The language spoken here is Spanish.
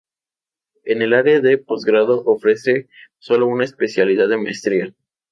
En el área de posgrado, ofrece solo una especialidad de maestría.